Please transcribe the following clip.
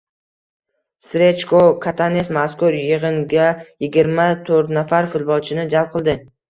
Srechko Katanes mazkur yig‘ingayigirma to´rtnafar futbolchini jalb qildi